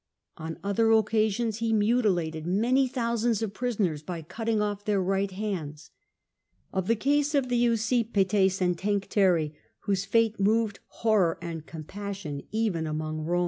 ^ On other occasions he mutilated many thousands of prisoners by cutting off their right hands.^ Of the case of the Usipetes and Tencteri, whose fate moved horror and compassion even among Komans, ^ As at.